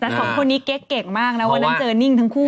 แต่ของคนนี้เก๊กมากนะเพราะว่านั้นเจอนิ่งทั้งคู่